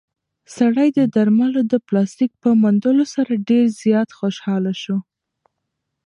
سړی د درملو د پلاستیک په موندلو سره ډېر زیات خوشحاله شو.